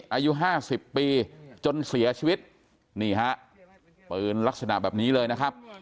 อายุห้าสิบปีจนเสียชีวิตนี่ฮะปืนลักษณะแบบนี้เลยนะครับ